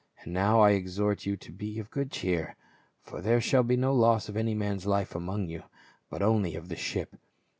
And now, I exhort you to be of good cheer ; for there shall be no loss of any man's life among you, but only of the ship.